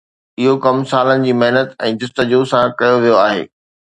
اهو ڪم سالن جي محنت ۽ جستجو سان ڪيو ويو آهي.